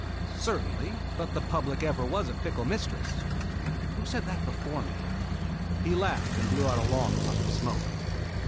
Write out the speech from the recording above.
"Certainly but the public ever was a fickle mistress. Who said that before me?" He laughed and blew out a long puff of smoke.